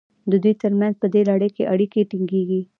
د دوی ترمنځ په دې لړ کې اړیکې ټینګیږي.